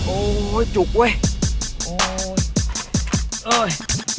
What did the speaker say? โอ้โหจุกเว้ย